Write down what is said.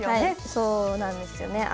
そうなんですよね。